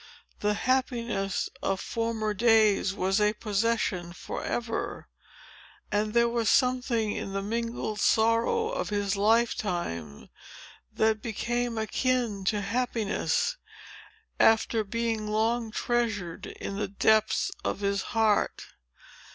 The happiness of former days was a possession forever. And there was something in the mingled sorrow of his lifetime, that became akin to happiness, after being long treasured in the depths of his heart.